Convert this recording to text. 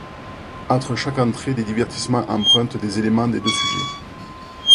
Entre chaque entrée des divertissements empruntent des éléments des deux sujets.